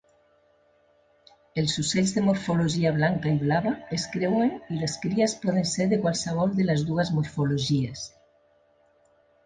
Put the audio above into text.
Els ocells de morfologia blanca i blava es creuen i les cries poden ser de qualsevol de les dues morfologies.